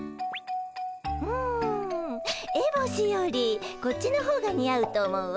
うんえぼしよりこっちの方が似合うと思うわ。